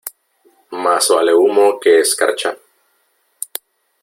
Más vale humo que escarcha.